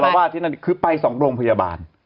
อัลว่าที่นั้นคือไปสองโรงพยาบาล